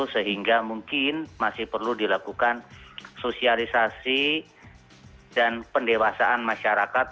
sehingga mungkin masih perlu dilakukan sosialisasi dan pendewasaan masyarakat